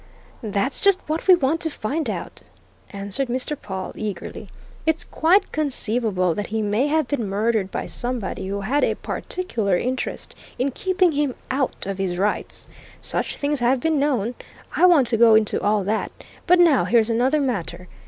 "That's just what we want to find out," answered Mr. Pawle eagerly. "It's quite conceivable that he may have been murdered by somebody who had a particular interest in keeping him out of his rights. Such things have been known. I want to go into all that. But now here's another matter.